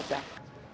terima kasih bu lenny